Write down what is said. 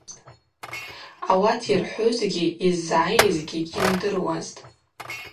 Ауат йырхӏвузгьи йыззгӏайызгьи гьйымдыруазтӏ.